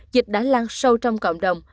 dịch đã lan sâu trong cộng đồng